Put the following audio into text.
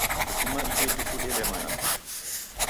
Kufuma ijo ituku delemana putu!